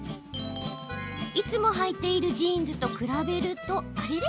いつもはいているジーンズと比べると、あれ？